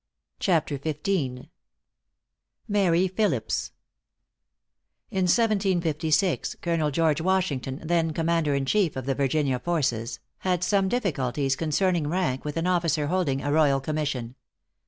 XV. MARY PHILIPSE. [Illustration: 0266] |In 1756, Colonel George Washington, then commander in chief of the Virginia forces, had some difficulties concerning rank with an officer holding a royal commission.